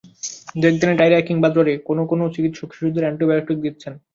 দুই একদিনের ডায়রিয়া কিংবা জ্বরে কোনো কোনো চিকিৎসক শিশুদের অ্যান্টিবায়োটিক দিচ্ছেন।